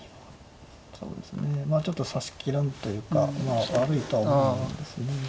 まあちょっと指しきらんというかまあ悪いとは思うんですね。